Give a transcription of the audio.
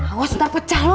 awas ntar pecah lu